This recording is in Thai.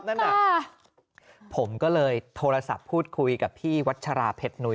นั่นน่ะผมก็เลยโทรศัพท์พูดคุยกับพี่วัชราเพชรหนุ้ย